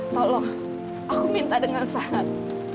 tolong aku minta dengan sehat